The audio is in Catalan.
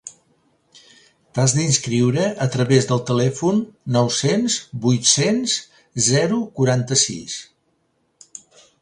T'has d'inscriure a través del telèfon nou-cents vuit-cents zero quaranta-sis.